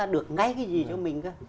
được ngay cái gì cho mình